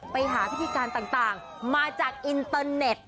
ไปหาพิธีการต่างมาจากอินเตอร์เน็ต